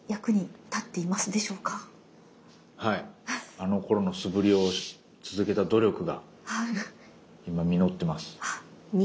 あのころの素振りを続けた努力が今実ってます。